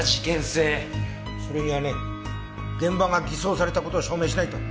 それにはね現場が偽装された事を証明しないと。